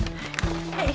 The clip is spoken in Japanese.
はい。